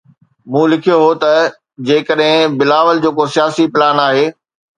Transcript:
مون لکيو هو ته جيڪڏهن بلاول جو ڪو سياسي پلان آهي.